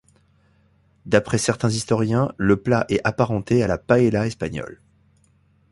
D'après certains historiens, le plat est apparenté à la paella espagnole.